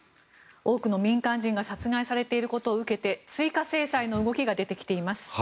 多くの民間人が殺害されていることを受けて追加制裁の動きが出てきています。